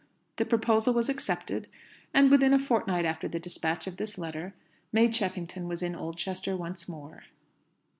The proposal was accepted, and within a fortnight after the despatch of this letter, May Cheffington was in Oldchester once more.